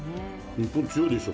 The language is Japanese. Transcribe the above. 日本強いでしょ？